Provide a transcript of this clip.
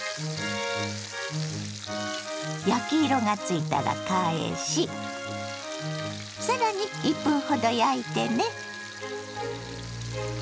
焼き色がついたら返しさらに１分ほど焼いてね。